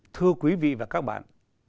thưa quý vị và các bạn